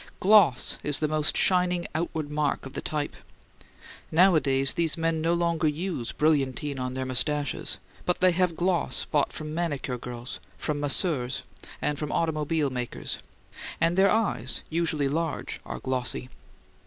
Gloss is the most shining outward mark of the type. Nowadays these men no longer use brilliantine on their moustaches, but they have gloss bought from manicure girls, from masseurs, and from automobile makers; and their eyes, usually large, are glossy.